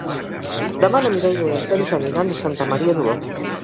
Demà na Mireia i en Peris aniran a Santa Maria d'Oló.